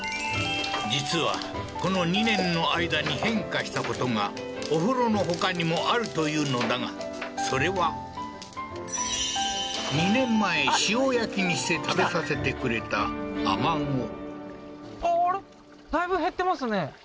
実はこの２年の間に変化したことがお風呂のほかにもあるというのだがそれは２年前塩焼きにして食べさせてくれた甘露煮？